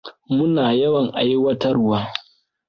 Muna yawan aiwatarwa.